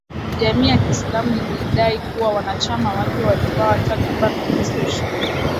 Jamii ya kiislam ilidai kuwa wanachama wake waliwauwa takribani wakristo ishirini